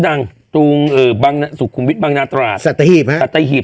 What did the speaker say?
ดังซุกุมวิทย์บางนาศาสตราดสัตตี้หีพสัติหีพ